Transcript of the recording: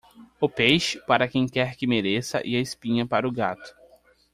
O peixe, para quem quer que mereça, e a espinha para o gato.